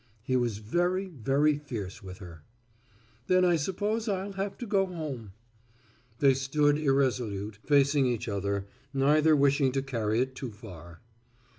He was very, very fierce with her. "Then I suppose I'll have to go home." They stood irresolute, facing each other, neither wishing to carry it too far.